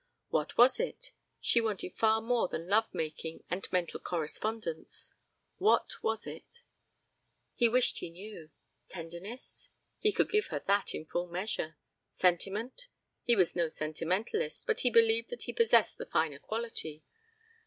What was it? She wanted far more than love making and mental correspondence. What was it? He wished he knew. Tenderness? He could give her that in full measure. Sentiment? He was no sentimentalist, but he believed that he possessed the finer quality.